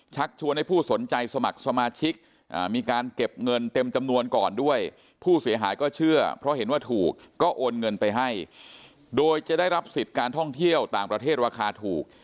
ชวนให้ผู้สนใจสมัครสมาชิกมีการเก็บเงินเต็มจำนวนก่อนด้วยผู้เสียหายก็เชื่อเพราะเห็นว่าถูกก็โอนเงินไปให้โดยจะได้รับสิทธิ์การท่องเที่ยวต่างประเทศราคาถูก